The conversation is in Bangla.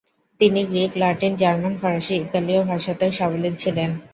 তিনি গ্রিক, ল্যাটিন, জার্মান, ফরাসি, ইতালীয় ভাষাতেও সাবলীল ছিলেন।